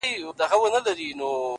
o مور مي خپه ده ها ده ژاړي راته؛